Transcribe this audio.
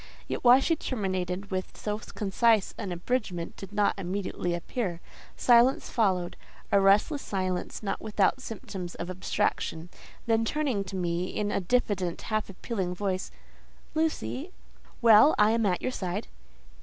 Yet why she terminated with so concise an abridgment did not immediately appear; silence followed—a restless silence, not without symptoms of abstraction. Then, turning to me, in a diffident, half appealing voice—"Lucy—" "Well, I am at your side."